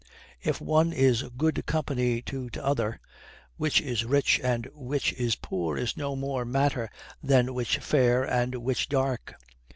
If one is good company to t'other, which is rich and which is poor is no more matter than which fair and which dark."